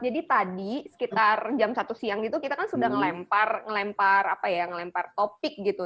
jadi tadi sekitar jam satu siang gitu kita kan sudah ngelempar topik gitu